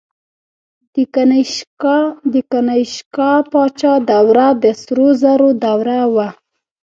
د کنیشکا پاچا دوره د سرو زرو دوره وه